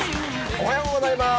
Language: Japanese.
おはようございます。